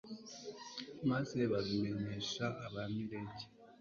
maze babimenyesha abimeleki